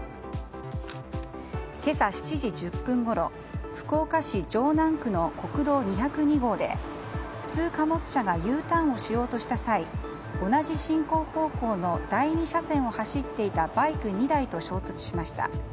今朝７時１０分ごろ福岡市城南区の国道２０２号で普通貨物車がＵターンをしようとした際同じ進行方向の第２車線を走っていたバイク２台と衝突しました。